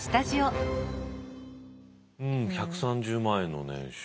うん１３０万円の年収。